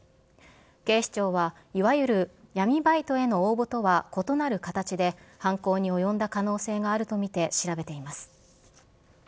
警視庁はいわゆる闇バイトへの応募とは異なる形で、犯行に及んだ可能性があると見て調べています。